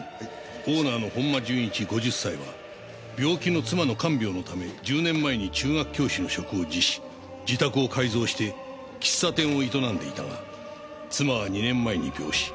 オーナーの本間順一５０歳は病気の妻の看病のため１０年前に中学教師の職を辞し自宅を改造して喫茶店を営んでいたが妻は２年前に病死。